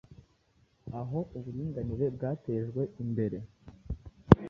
Aho uburinganire bwatejwe imbere